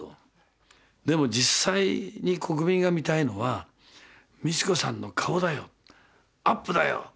でも実際に国民が見たいのは美智子さんの顔だよアップだよ！